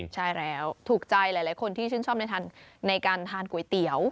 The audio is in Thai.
ใช่แล้วถูกใจหลายคนที่ชื่นชอบในการทานก๋วยเตี๋ยว